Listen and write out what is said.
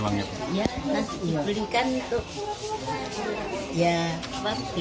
nanti dibelikan itu